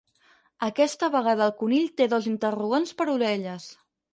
Aquesta vegada el conill té dos interrogants per orelles.